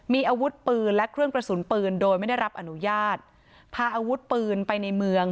มีอาวุธปืนและเครื่องกระสุนปืนโดยไม่ได้รับอนุญาตพาอาวุธปืนไปในเมือง